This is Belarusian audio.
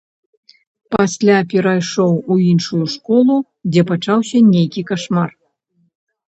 Пасля перайшоў у іншую школу, дзе пачаўся нейкі кашмар.